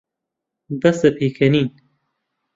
بەسە پێکەنین.